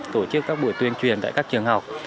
tổ chức các buổi tuyên truyền tại các trường học